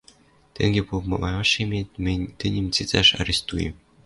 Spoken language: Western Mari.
Тенге попымашешет мӹнь тӹньӹм цецаш арестуем...